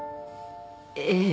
ええ。